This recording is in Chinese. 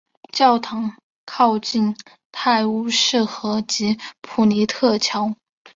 教堂靠近泰晤士河及普特尼桥。